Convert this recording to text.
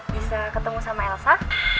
bisa ketemu sama elsa